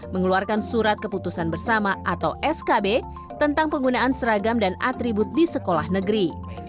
mengeluarkan surat keputusan bersama atau skb tentang penggunaan seragam dan atribut di sekolah negeri